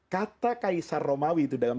kata kaisar romawi itu dalam